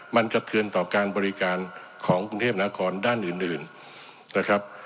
มันสะเทือนต่อการบริการของกรุงเทพนครด้านอื่นนะครับ